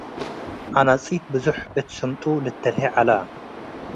ዐነጺ'ት ብዞሕ እት ስምጡ ልተ'ልሄ ዐለ።